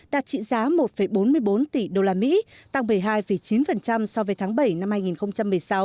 đạt trị giá một bốn mươi bốn tỷ đô la mỹ tăng bảy mươi hai chín so với tháng bảy năm hai nghìn một mươi sáu